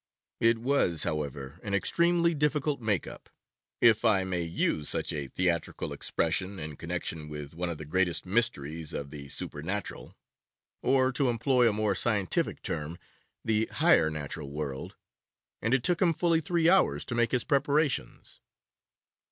It was, however, an extremely difficult 'make up,' if I may use such a theatrical expression in connection with one of the greatest mysteries of the supernatural, or, to employ a more scientific term, the higher natural world, and it took him fully three hours to make his preparations.